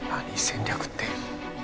戦略って？